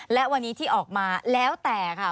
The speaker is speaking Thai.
และวันนี้ที่ออกมาแล้วแต่ค่ะ